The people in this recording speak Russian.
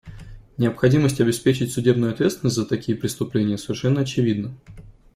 Необходимость обеспечить судебную ответственность за такие преступления совершенно очевидна.